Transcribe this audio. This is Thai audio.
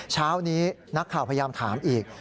เช้านี้นักข่าวพยายามถามอีก